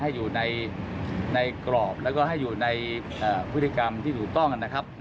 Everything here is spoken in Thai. ให้อยู่ในกรอบแล้วก็ให้อยู่ในพฤติกรรมที่ถูกต้องนะครับ